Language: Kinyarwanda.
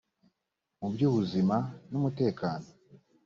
mu by’ ubuzima n’umutekano